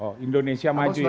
oh indonesia maju ya